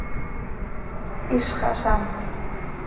¡Hizx azám!